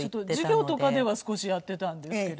授業とかでは少しやっていたんですけれども。